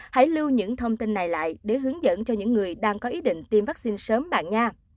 hãy lưu những thông tin này lại để hướng dẫn cho những người đang có ý định tiêm vaccine sớm bạn nha